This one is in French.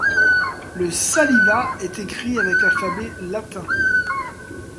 Le sáliva est écrit avec l'alphabet latin.